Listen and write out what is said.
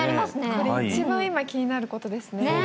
これ一番今気になることですね